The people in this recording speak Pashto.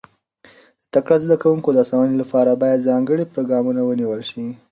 د تکړه زده کوونکو د هڅونې لپاره باید ځانګړي پروګرامونه ونیول شي.